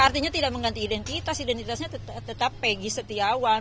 artinya tidak mengganti identitas identitasnya tetap pegi setiawan